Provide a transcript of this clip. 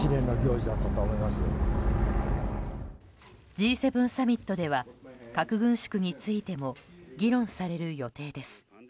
Ｇ７サミットでは核軍縮についても議論される予定です。